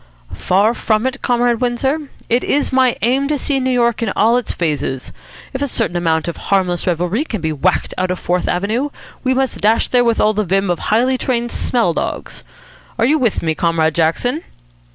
"Far from it, Comrade Windsor. It is my aim to see New York in all its phases. If a certain amount of harmless revelry can be whacked out of Fourth Avenue, we must dash there with the vim of highly trained smell dogs. Are you with me, Comrade Jackson?"